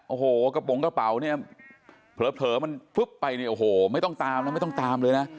โอ้โหกระโปรงกระเป๋าเนี่ยเผลอมันฟึ๊บไปเนี่ยโอ้โหไม่ต้องตามนะไม่ต้องตามเลยนะ